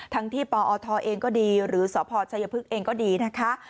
ทั้งที่ปอทเองก็ดีหรือสพชัยพฤกษ์เองก็ดีนะคะ